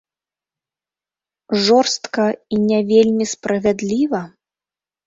Жорстка і не вельмі справядліва?